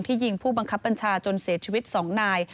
ยิงผู้บังคับบัญชาจนเสียชีวิต๒นาย